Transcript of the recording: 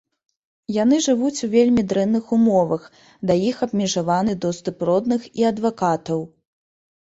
Яны жывуць у вельмі дрэнных умовах, да іх абмежаваны доступ родных і адвакатаў.